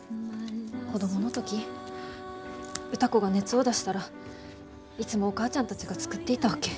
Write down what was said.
子供の時歌子が熱を出したらいつもお母ちゃんたちが作っていたわけ。